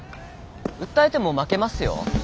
訴えても負けますよ。